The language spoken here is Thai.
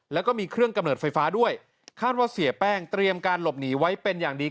แล้วก็มีเครื่องกำเนิดไฟฟ้าด้วยคาดว่าเสียแป้งเตรียมการหลบหนีไว้เป็นอย่างดี